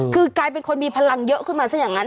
คือกลายเป็นคนมีพลังเยอะขึ้นมาซะอย่างนั้น